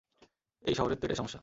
এই শহরের তো এটাই সমস্যা।